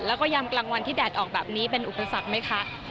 แล้วก็ยามกลางวันที่แดดออกแบบนี้เป็นอุปสรรคไหมคะ